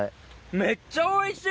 めっちゃおいしい！